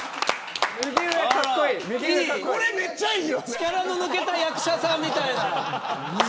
力の抜けた役者さんみたい。